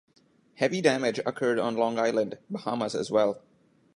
Heavy damage occurred on Long Island, Bahamas as well.